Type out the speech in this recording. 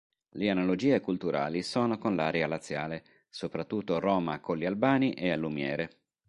Le analogie culturali sono con l'area laziale, soprattutto Roma-Colli Albani e Allumiere.